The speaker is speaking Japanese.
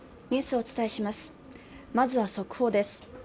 まずは速報です。